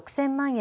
円